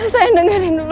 sayang dengerin dulu